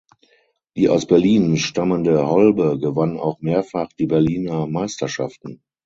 Die aus Berlin stammende Holbe gewann auch mehrfach die Berliner Meisterschaften.